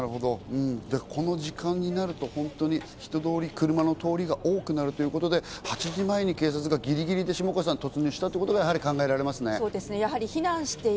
この時間になると、本当に人通り、車の通りが多くなるということで８時前に警察がぎりぎりで突入したということが考えられますね、下川さん。